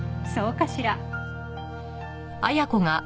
そうかしら？